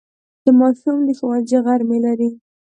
ماشوم د ښوونځي غرمې لري.